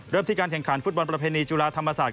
ที่การแข่งขันฟุตบอลประเพณีจุฬาธรรมศาสต